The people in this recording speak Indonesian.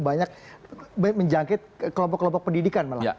banyak menjangkit kelompok kelompok pendidikan malah